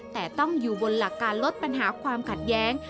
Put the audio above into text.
แต่ต้องอยู่บนหลักการลดปัญหาความขัดแย้ง